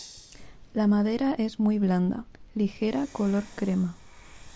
La madera es muy blanda, ligera color crema.